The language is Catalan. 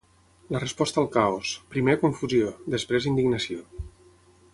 La resposta al caos: primer, confusió; després, indignació.